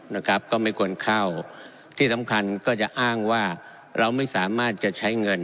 นะครับก็ไม่ควรเข้าที่สำคัญก็จะอ้างว่าเราไม่สามารถจะใช้เงิน